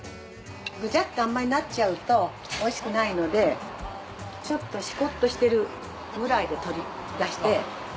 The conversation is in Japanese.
グチャっとあんまりなっちゃうとおいしくないのでちょっとしこっとしてるくらいで取り出して。